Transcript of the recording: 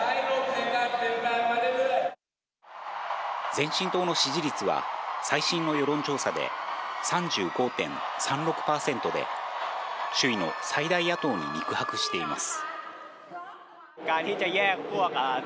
前進党の支持率は、最新の世論調査で３５．３６％で、首位の最大野党に肉薄しています。